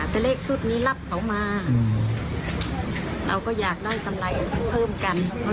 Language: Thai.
ต้องมาถูกจับอีกขายก็ลำบากก็คุบปัวย้านเหมือนกัน